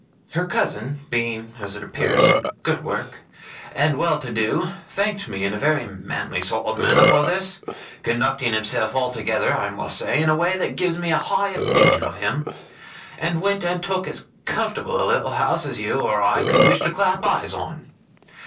Her cousin being, as it appears, in good work, and well to do, thanked me in a very manly sort of manner for this (conducting himself altogether, I must say, in a way that gives me a high opinion of him), and went and took as comfortable a little house as you or I could wish to clap eyes on.